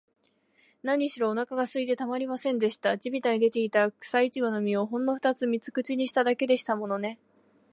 なにしろ、おなかがすいてたまりませんでした。地びたに出ていた、くさいちごの実を、ほんのふたつ三つ口にしただけでしたものね。